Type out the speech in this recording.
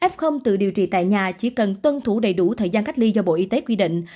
f tự điều trị tại nhà chỉ cần tuân thủ đầy đủ thời gian cách ly do bộ y tế quy định